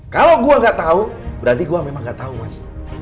kalau gue gak tahu berarti gue memang gak tahu mas